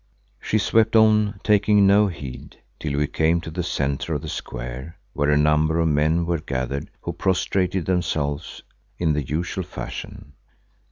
She swept on taking no heed, till we came to the centre of the square where a number of men were gathered who prostrated themselves in the usual fashion.